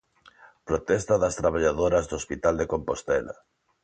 Protesta das traballadoras do Hospital de Compostela.